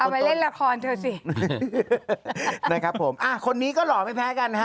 มาเล่นละครเธอสินะครับผมอ่ะคนนี้ก็หล่อไม่แพ้กันฮะ